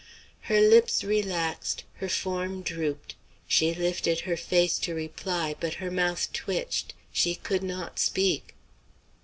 Her lips relaxed, her form drooped, she lifted her face to reply, but her mouth twitched; she could not speak.